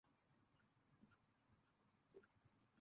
চাচার নামে বদনাম করছিস।